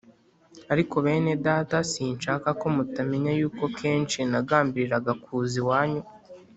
Ariko bene Data sinshaka ko mutamenya yuko kenshi nagambiriraga kuza iwanyu